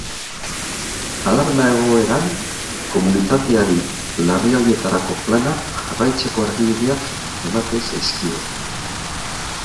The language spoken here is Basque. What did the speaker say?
Alarma egoeran komunitateari larrialdietarako plana jarraitzeko argibideak ematen zaizkio.